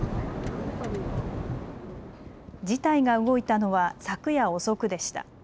事態が動いたのは昨夜遅くでした。